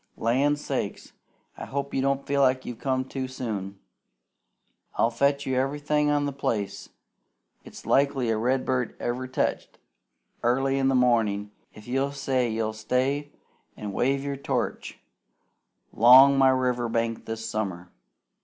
Land's sake! I hope you don't feel you've come too soon. I'll fetch you everything on the place it's likely a redbird ever teched, airly in the mornin' if you'll say you'll stay an' wave your torch 'long my river bank this summer.